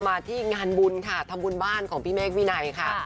มาที่งานบุญค่ะทำบุญบ้านของพี่เมฆวินัยค่ะ